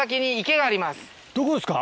どこですか？